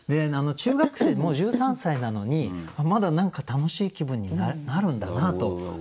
中学生もう１３歳なのにまだ何か楽しい気分になるんだなと。